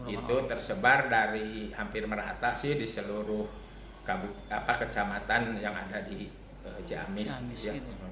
itu tersebar dari hampir merata sih di seluruh kecamatan yang ada di ciamis